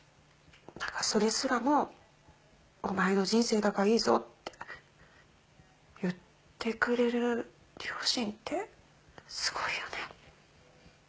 なんかそれすらもお前の人生だからいいぞって言ってくれる両親ってすごいよね。